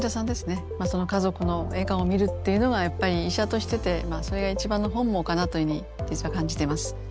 その家族の笑顔を見るっていうのがやっぱり医者としてそれが一番の本望かなというふうに実は感じています。